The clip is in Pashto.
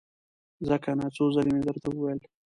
ځه کنه! څو ځلې مې درته وويل!